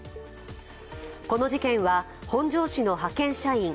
この事件は、本庄市の派遣社員、